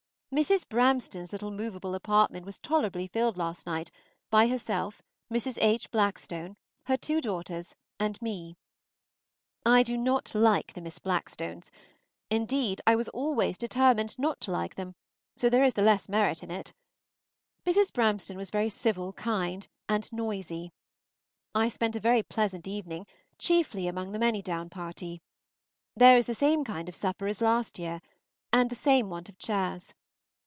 Mrs. Bramston's little movable apartment was tolerably filled last night by herself, Mrs. H. Blackstone, her two daughters, and me. I do not like the Miss Blackstones; indeed, I was always determined not to like them, so there is the less merit in it. Mrs. Bramston was very civil, kind, and noisy. I spent a very pleasant evening, chiefly among the Manydown party. There was the same kind of supper as last year, and the same want of chairs.